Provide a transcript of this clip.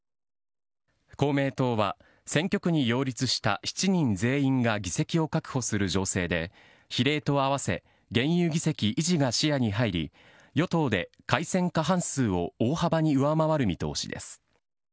公明党は、選挙区に擁立した７人全員が議席を確保する情勢で比例と合わせ現有議席維持が視野に入り与党で改選過半数を大幅に上回る見通しです。